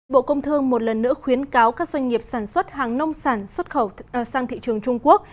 bộ công thương một lần nữa khuyến cáo các doanh nghiệp sản xuất hàng nông sản xuất khẩu sang thị trường trung quốc